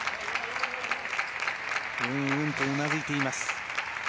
うんうんとうなずいています。